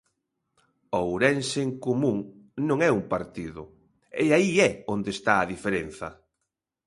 Ourense en Común non é un partido, e aí é onde está a diferenza.